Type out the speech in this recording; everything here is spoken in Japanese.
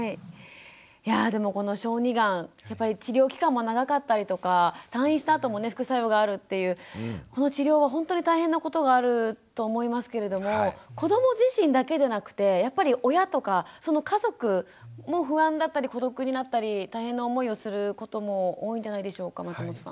いやぁでもこの小児がんやっぱり治療期間も長かったりとか退院したあともね副作用があるっていうこの治療は本当に大変なことがあると思いますけれども子ども自身だけでなくてやっぱり親とかその家族も不安だったり孤独になったり大変な思いをすることも多いんじゃないでしょうか松本さん。